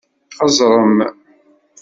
Xeẓẓṛem!